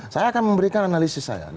saya akan memberikan analisis saya